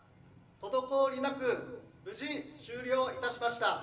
滞りなく無事終了いたしました。